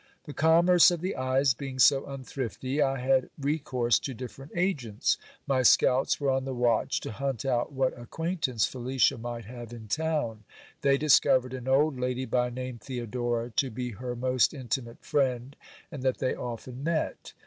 The commerce of the eyes being so unthrifty, I had recourse to different agents. My scouts were on the watch to hunt out what acquaintance Felicia might have in town. They discovered an old lady, by name Theodora, to be her most intimate friend, and that they often met.